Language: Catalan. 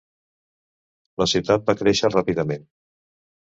La ciutat va créixer ràpidament.